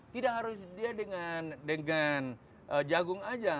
tidak harus dia dengan jagung saja